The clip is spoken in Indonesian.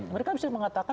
mereka bisa mengatakan